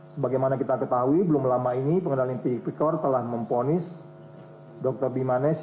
sebagai mana kita ketahui belum lama ini pengendalian pikor telah memponis dokter bimanes